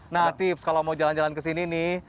nah tips kalau mau jalan jalan kesini nih